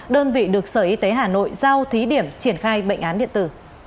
đơn vị được sở y tế hà nội giao thí điểm triển khai bệnh án điện tử